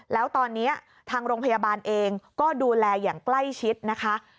แล้วตอนนี้ทางโรงพยาบาลเองก็ดูแลอย่างใกล้ชิดนะคะ